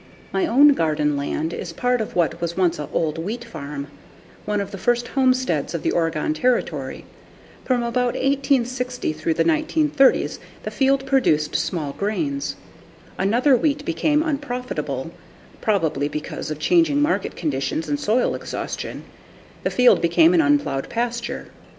My own garden land is part of what was once an old wheat farm, one of the first homesteads of the Oregon Territory. From about 1860 through the 1930s, the field produced small grains. After wheat became unprofitable, probably because of changing market conditions and soil exhaustion, the field became an unplowed pasture.